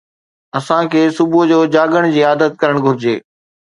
اسان کي صبح جو جاڳڻ جي عادت ڪرڻ گهرجي